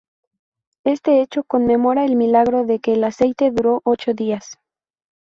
Este hecho conmemora el milagro de que el aceite duró ocho días.